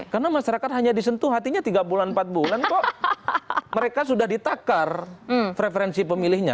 karena masyarakat hanya disentuh hatinya tiga bulan empat bulan kok mereka sudah ditakar preferensi pemilihnya